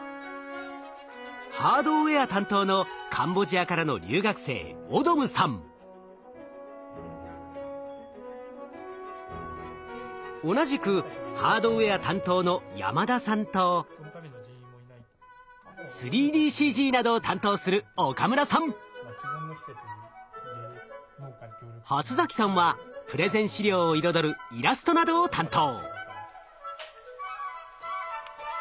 ハードウエア担当のカンボジアからの留学生同じくハードウエア担当の山田さんと３ＤＣＧなどを担当する初さんはプレゼン資料を彩るイラストなどを担当。